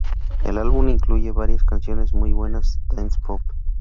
El álbum incluye varias canciones muy buenas dance-pop.